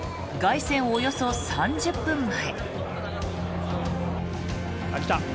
およそ３０分前。